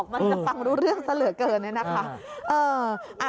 มันจะฟังรู้เรื่องเสลอเกินเลยนะคะ